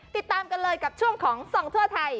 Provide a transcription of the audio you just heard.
ติดตามกันเลยกับช่วงของส่องทั่วไทย